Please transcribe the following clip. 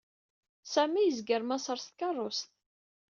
Sami yezger Maṣer s tkaṛust.